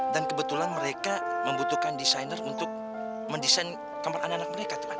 dan kebetulan mereka membutuhkan desainer untuk mendesain kamar anak anak mereka tuhan